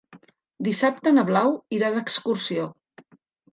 Dissabte na Blau irà d'excursió.